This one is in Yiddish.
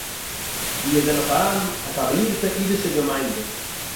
וואו עס זענען פאַראַן עטאַבלירטע אידישע געמיינדעס